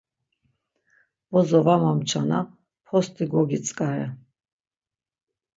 Bozo var momçana post̆i gogitzǩare.